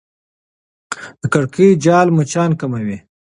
د کړکۍ جال مچان کموي.